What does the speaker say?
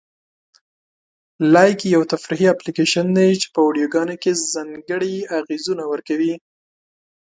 لایکي یو تفریحي اپلیکیشن دی چې په ویډیوګانو کې ځانګړي اغېزونه ورکوي.